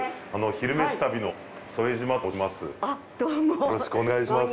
「昼めし旅」の副島と申します。